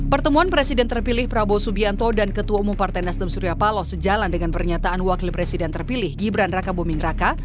pertemuan presiden terpilih prabowo subianto dan ketua umum partai nasdem surya paloh sejalan dengan pernyataan wakil presiden terpilih gibran raka buming raka